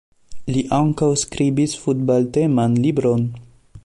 Li ankaŭ skribis futbalteman libron.